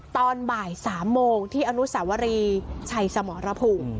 ตอนบ่าย๓โมงที่อนุสาวรีชัยสมรภูมิ